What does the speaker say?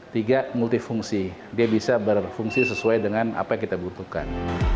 tiga multifungsi dia bisa berfungsi sesuai dengan apa yang kita butuhkan